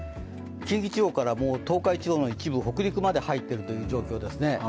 近畿地方から東海地方の一部、北陸まで入っているという状況ですね。